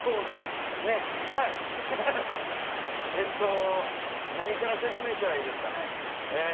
えっと何から説明したらいいですかね。